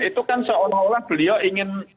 itu kan seolah olah beliau ingin